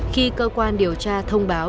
khi cơ quan điều tra thông báo